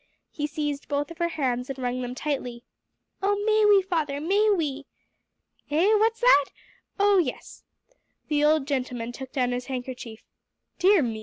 He seized both of her hands and wrung them tightly. "Oh, may we, father, may we?" "Eh what's that? Oh, yes." The old gentleman took down his handkerchief. "Dear me!